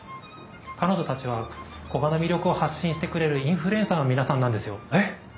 彼女たちは古河の魅力を発信してくれるインフルエンサーの皆さんなんですよ。えっ！